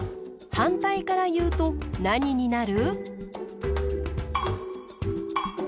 はんたいからいうとなにになる？